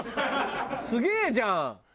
すげえじゃん！